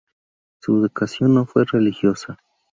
Su educación no fue religiosa.